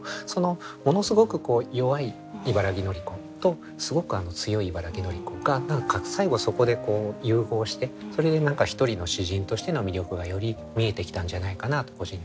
ものすごく弱い茨木のり子とすごく強い茨木のり子が最後はそこで融合してそれで何か一人の詩人としての魅力がより見えてきたんじゃないかなと個人的には思いますね。